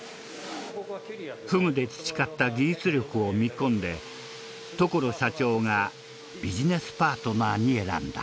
フグで培った技術力を見込んで所社長がビジネスパートナーに選んだ。